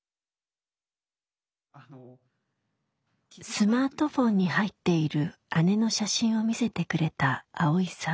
スマートフォンに入っている姉の写真を見せてくれたアオイさん。